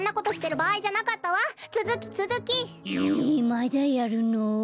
まだやるの？